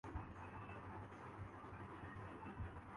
یہاں ایک اشتباہ کا ازالہ ضروری ہے۔